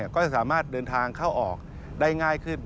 ก็จะสามารถเดินทางเข้าออกได้ง่ายขึ้น